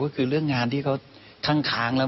ก็คือเรื่องงานที่เขาคั่งค้างแล้ว